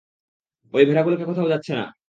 অই ভেড়াগুলো কোথাও যাচ্ছে না।